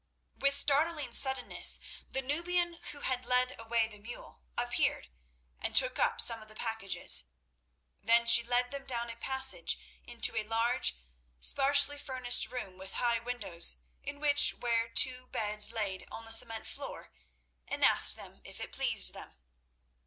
With startling suddenness the Nubian who had led away the mule appeared, and took up some of the packages. Then she led them down a passage into a large, sparsely furnished room with high windows, in which were two beds laid on the cement floor, and asked them if it pleased them.